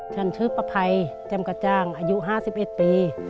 ฉันชื่อประภัยแจ่มกระจ่างอายุ๕๑ปี